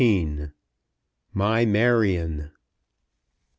"MY MARION."